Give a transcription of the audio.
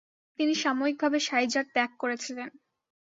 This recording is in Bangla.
তিনি সাময়িকভাবে শাইজার ত্যাগ করেছিলেন।